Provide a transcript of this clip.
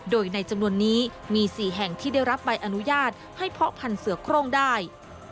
โดยในจำนวนนี้มี๔แห่งที่ได้รับใบอนุญาตให้เพาะพันธุ์เสือโครงได้